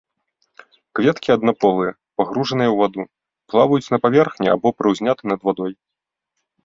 Кветкі аднаполыя, пагружаныя ў ваду, плаваюць на паверхні або прыўзняты над вадой.